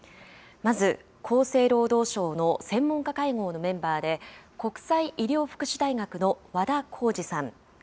まず、厚生労働省の専門家会合のメンバーで、国際医療福祉大学の和田耕治さん。